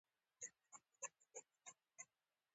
د بیت الله په څنګ کې نفل موقع برابره شوه.